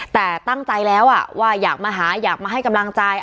แต่ตั้งใจแล้วว่าอยากมาหาอยากมาให้กำลังใจ